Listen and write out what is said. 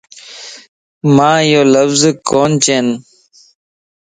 مان ايو لفظ ڪون چين